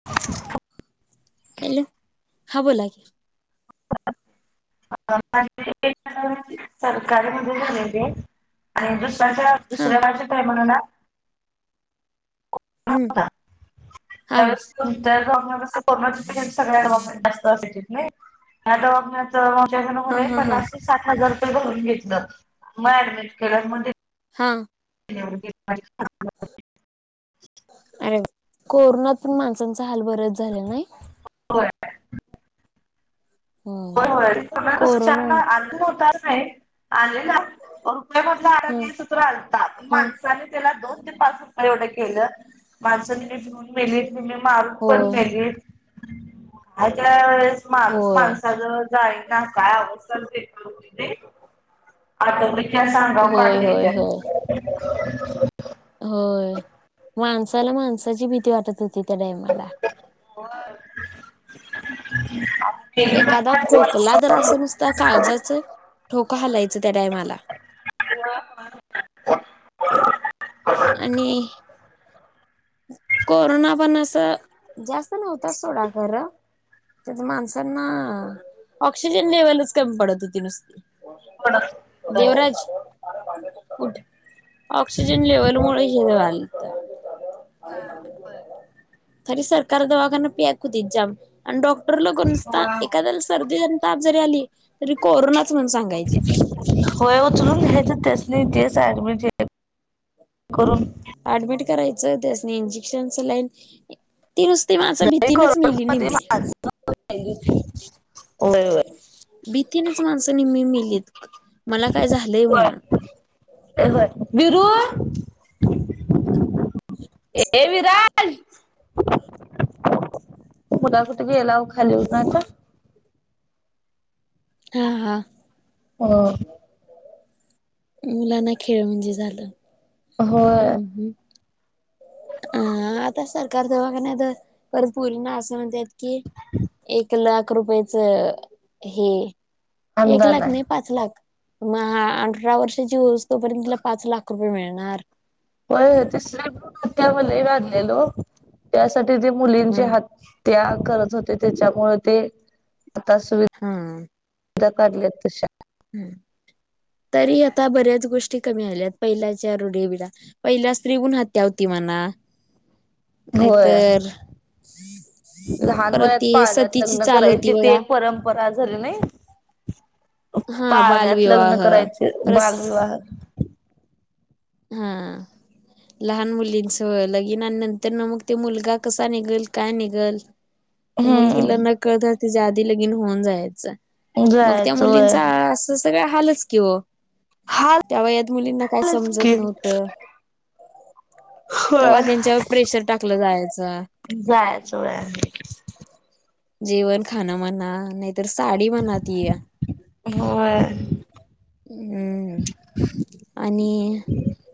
[unintelligible] Hello ख लागे. सरकारीमध्ये झालेली आणि दुसच्या. हा दुसऱ्या माझ्या काय म्हण ना. [unintelligible] हम्म कोरोना हा पेशंट सगळ्या डेटस्त असय नाही ड हा हा प. हा ात हजार रे भून घ म डम केग. हां [inaudible] अरे कोरोनात पण माणसांचा हाल बरच झालं नाही हो हो होय होला कोरोना चांगला अ होता नाही आलेला ह आडात्रलतात ह माणसाने त्याला दोन ते पाच रुपये एवढं केलं माणसं मीी भिऊन मेलीत मी मी मारून पण होय मेलीत ह त्या वेळेस मा होय माण काय अव आ सांगा होय होय काटेच्या होय होय माणसाला माणसाची भीती वाटत होती त्या डाम मला ठी एखादा खोकला तर असं नुसता काळजाच ठोका हलायचं त्या टायमाला हॅलो आणि कोरोना पण असं जास्त नव्हत सोडा खरं त्यात माणसांना ऑक्सिजन लेवलच कमी पडत होती नुसती. होड देवराज कठे ऑक्सिजन लेवल मु हेलं. खरी सरकार दवाखाना पिया खुतीत जाम. आणि डॉक्टर ल कर नसता एखाद्याला सर्दी ताप जरी आली. तरी कोरोनाच म्हण सांगायचे. होय उचलून घ्याच त्यासनी तेच ऍडमिट हे करून अऍडमिट करायचं त्यासनी इंजेक्शनच लाईन ती नुसती माझ्या भीतीनच मिेली न मी वय वय भीतीनच माणसं नेहमी मेलीत मला काय झालंय म्हणून होय होय विरू ए विरा कुणाक त गेला ओ खाली होता आता हा हा हो. मुलांना खेळ म्हणजे झालं होय. हा आता सरकार तेव्हा कंनाय त परत पोरींना असं म्हणत्येत कि एक लाख रुपयाच हे एक लाख नाही पाच लाख म अंठरा वर्षाची होऊस तोपर्यंत तिला पाच लाख रुपये मिळणार. हो [unintelligible] लेलो त्यासाठी ते मुलींचे हम् हात त्या करत होते त्याच्यामुळ ते आता सुवि हा त्या कारल्यात तशा हम् तरी आता बऱ्याच गोष्टी कमी आल्यात पहिल्याच्या रुढवीडां पहिल्या स्त्री गुण हत्या होती म्हणा होय नायतर लहान वयात पाळण्यात लग्न होती करायची ती बघा एक परंम परा झाली नाय हा पाळण्यात लग्न बालविवाह करायचे परत बालविवाह हा लहान मुलींच व लगेन आणि नंतर ना मग ते मुलगा कसा निघेल काय निघल मुलगीला हम्म नकळत तिच्या आधी लगीन होऊन जायांच. मग त्या जायचं होय मुलींचा असं सगळ हालच कि ओ हा त्या वयात मुलींना काय कालच समजत की होय तवा त्यांच्यावर प्रेशर टाकला जायांचा. जायाच वय आहे. जेवण खाणं म्हणा नाहीतर साडी म्हणा ती या होय. हम्म आणि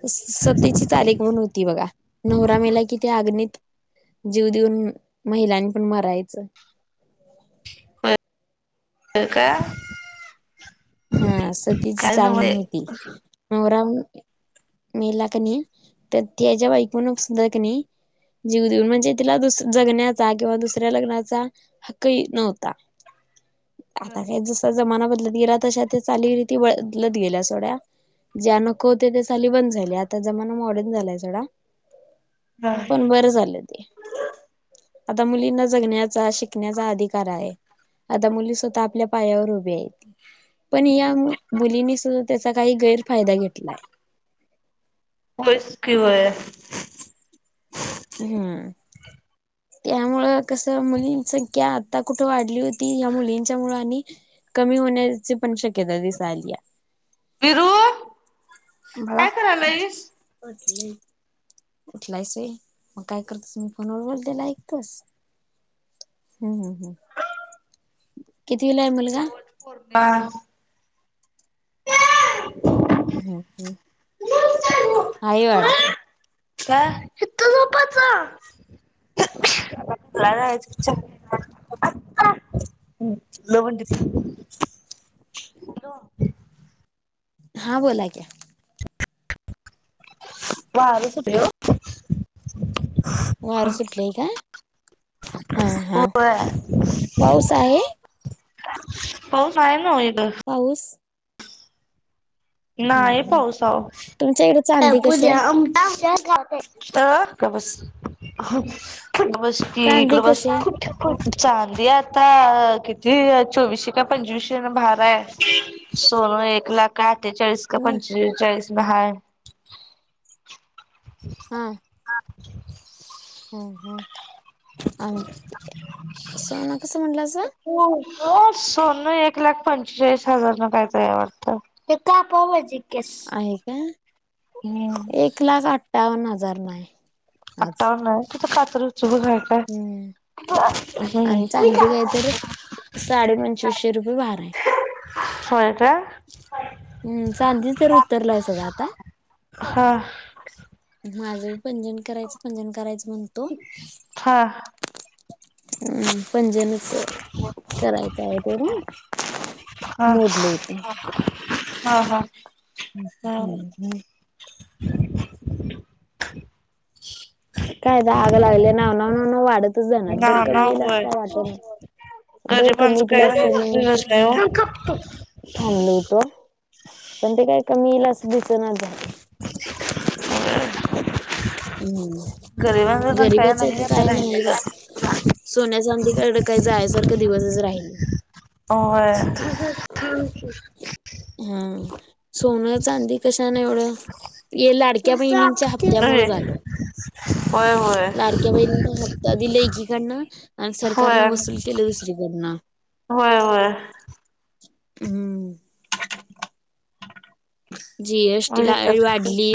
स सतीची चाल एक म्हणून होती बघा नवरा मेला कि ते अग्नीत जीव देऊन महिलांनी पण मरायचं. ह का हा सतीची काय चाल नव्हे म्हणून होती नवरा मेला कनी तर त्याज्या बायकोनी सुद्धा कनय जीव देऊन म्हणजे तिला दुस जगण्याचा किंवा दुसऱ्या लग्नाचा हक्कही नव्हता आता काय ज चा जमाना बदलत गेला तशा त्या चालीरीती बदलत गेल्या सोड्या. ज्या नको होत्या त्या चाली बंद झाल्या आता जमाना मॉडर्न झालाय सगळा. हा. पण बरं झालं ते आता मुलींना जगण्यात चा शिकण्याचा अधिकार आहे आता मुली स्वतः आपल्या पायावर उभी हायती. पण या मुलीने सुद्धा त्याचा काही गैरफायदा घेतलाय. होयच की होय. हूं त्यामुंळ कसं मुलीं संख्या आता कुठं वाढली होती या मुलींच्या मुळ आणि कमी होण्याची पण शक्यता दिसाआलीया. फिरू बाळा बसलंय उठलायसं होय मग काय करतोस मी फोनवर बोललेलं ऐकतोस. हूं हूं हूं कितवीला आहे मुलगा? [unintelligible] हम हं अई वाडत का कत झोपाच लढाच हम् लवण त [inaudible] हा बोला क्या वाच भ हो वर सुटले का हा ओ हा पाऊस आहे हो पाय ना एकगं पाऊस हा नाहीय हा. पावसाव तुमच्या इकडे त्या चांदी कशी पूज्या आहे? आमट बस बस चांदी इकडं बस कशी आहे? चांदी आहे आता किती चोवीसशे का पंचवीशे भारा आहे सोनं एक लाख का अठ्ठेचाळीस का हा. पंचेचाळीस म हा ह हा ह ह आणि सोन कस म्हटलं अस हो हो सोनं एक लाख पंचेचाळीस हजार न कायतरी वाटतं ते का पावडजी केेस आहे का? ह् एक लाख अठ्ठावन्न हजार नाही आज. आावर नाही तिथं पात्र चूक घ हम्म. हम्म का साडेपंचवीशे रुपये भार आहे हो आता हम् सांधे तर उतरलाय सोडा आता हा माझं बी पंजन करायचं पंजन करायचं म्हणत हा हम् पजे न करायचं आहे तेोरं हा मोडल होतं हा हा ह् हम्म हम् काय आग लागली नाव नाव नाव न वाढतच जाणार जर कमी येईल अस काय वाट ना गरीबांचं काय राहायचं तच नाही थांबल होतो पण ते काय कमी येईल अस दिस ना हम्म गरिबांच काय गरीिबाच नाही तर आता काय नाही राहिलेलं बा सोन्या गांधीकड काही जायसारखं दिवसच राहिली नाही अ हम्म सोनं चांदी कशाने एवढं हे लाडक्या महिणींच्या हप्त्यामुळे झालं होय होय लाडक्या बहिणीना हप्ता दिला एकीकडन आणि सरकारनं होय. वसूल केलं दुसरी कर ना होय होय हम्म जीएसटी ला वाढली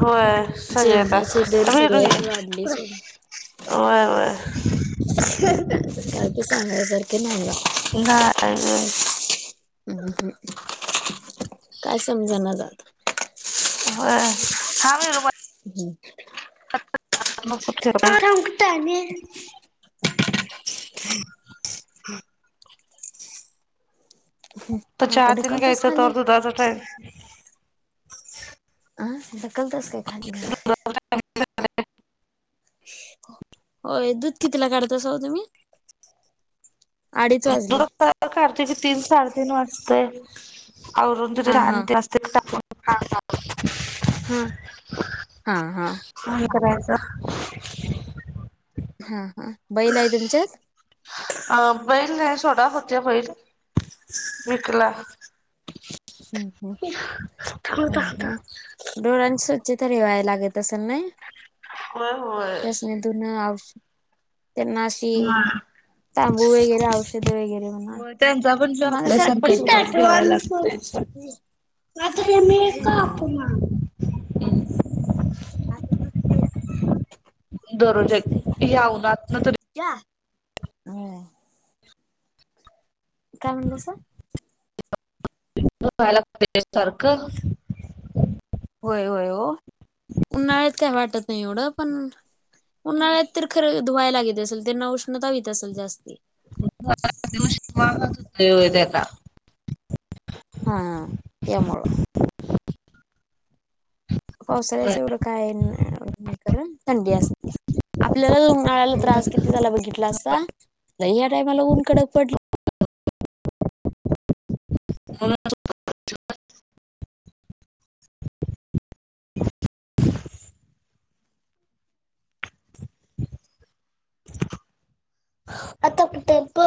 होय सज येत जेवणाचे दर मरू सगळ्याच वाढले सोड होय वय काय ते सांगायसारखं नाही बाा ह् काय समजण जात ह हा मी रुमा हम्म घता आहे [unintelligible] ह ह मला काय ढकलतोच खाली. तचय अं कल तस काय खाली गा होय दूध किती ला काढत असा तुम्ही? अडीच तु वाजले ख करते की तीन साडेतीन वाजते आवरून तिथे हा हा शांती वाते [unintelligible] हा हा हा काय करायचं? हा हा बैल आहे तुमच्यात? अ बैल नाही सोडत होत्या बैल विकला. हम्म हम्म [unintelligible] डोरांची स्वच्छता रेवाय लागत असेल नाही होय होय. न आश ते नाश हा औषध वगैरे म्हणा हो त्यांचा पण जो हे माग आपल्या सरक पडशील संकेत खाली लागत. बा तरी आमही हा कापमा हा तूच ते दररोज या्याऊनात ना तरी [unintelligible] काय म्हणलंस? मयला प सारखं [unintelligible] होय होय हो उन्हाळ्यात वाटत नाही एवढं पण उन्हाळ्यात तर खरं धुवायलागेते असेल त्यांना उष्णता होेत असेल जास्त व हो त्याला हा त्यामुळे पावसाळ्याचं एवढं काय नाही करण थंडी असते. आपल्याला उन्हाळ्याला त्रास किती झाला बघितला असता ल या टायमाला ऊन कडक पडल. हो आता टेम्प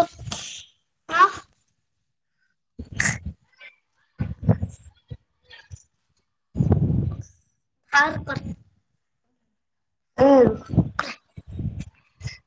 कार अं